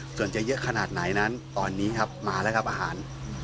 ส่วนจะเยอะขนาดไหนนั้นตอนนี้ครับมาแล้วครับอาหาร